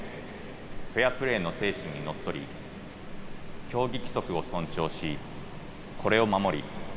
フェアプレーの精神にのっとり競技規則を尊重しこれを守り。